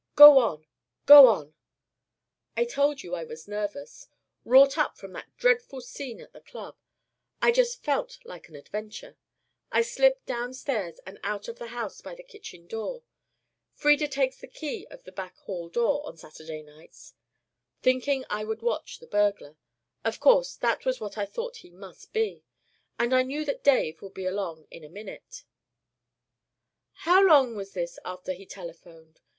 "Go on. Go on." "I told you I was nervous wrought up from that dreadful scene at the club. I just felt like an adventure! I slipped down stairs and out of the house by the kitchen door Frieda takes the key of the back hall door on Saturday nights thinking I would watch the burglar; of course that was what I thought he must be; and I knew that Dave would be along in a minute " "How long was this after he telephoned?